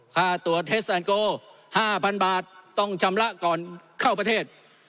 ถ้าตรวจเทสแอนด์โก้ห้าพันบาทต้องชำระก่อนเข้าประเทศ